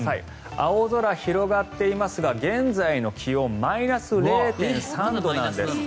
青空広がっていますが現在の気温マイナス０．３度なんです。